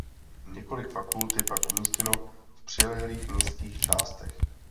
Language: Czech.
Několik fakult je pak umístěno v přilehlých městských částech.